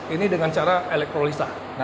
ini dengan cara elektrolisa